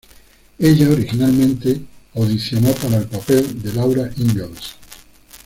Ella originalmente audicionó para el papel de Laura Ingalls.